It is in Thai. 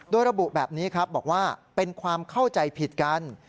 โดยระบุแบบนี้ครับบอกว่าเป็นความเข้าใจผิดกัน